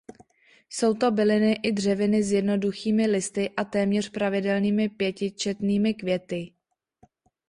Jsou to byliny i dřeviny s jednoduchými listy a téměř pravidelnými pětičetnými květy.